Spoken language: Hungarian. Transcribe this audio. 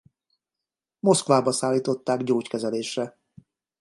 Moszkvába szállították gyógykezelésre.